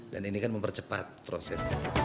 dan ini kan mempercepat prosesnya